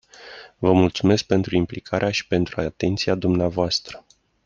Vă mulțumesc pentru implicarea și pentru atenția dvs.